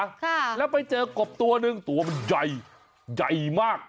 ค่ะแล้วไปเจอกบตัวหนึ่งตัวมันใหญ่ใหญ่มาก